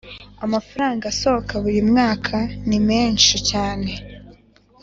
Amafaranga asohoka buri mwaka ni menshi cyane